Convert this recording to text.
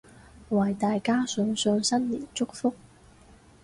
為大家送上新年祝福